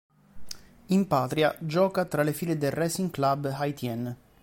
In patria gioca tra le file del Racing Club Haïtien.